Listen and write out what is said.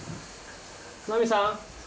ナミさん？